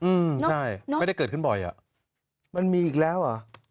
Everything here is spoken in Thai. อืมใช่ไม่ได้เกิดขึ้นบ่อยอ่ะมันมีอีกแล้วเหรอ